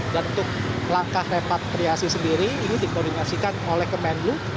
dan untuk langkah repatriasi sendiri ini dikombinasikan oleh kemenlu